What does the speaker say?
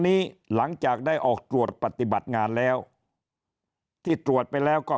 นี้หลังจากได้ออกตรวจปฏิบัติงานแล้วที่ตรวจไปแล้วก็